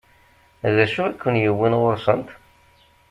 D acu i ken-yewwin ɣur-sent?